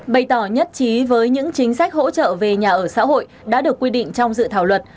bày tỏ nhất trí với những chính sách hỗ trợ về nhà ở xã hội đã được quy định trong dự thảo luật